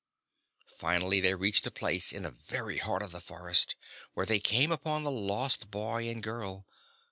Finally they reached a place, in the very heart of the forest, where they came upon the lost boy and girl.